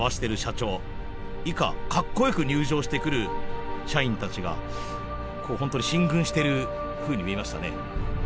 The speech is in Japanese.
以下かっこよく入場してくる社員たちがホントに進軍してるふうに見えましたね。